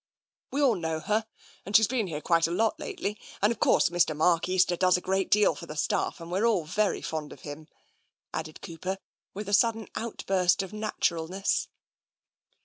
" We all know her, and she's been here quite a lot lately, and of course Mr. Mark Easter does a great deal for the staff, and we're all very fond of him," added Cooper, with a sudden outburst of naturalness.